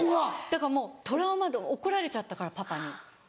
だからもうトラウマで怒られちゃったからパパに。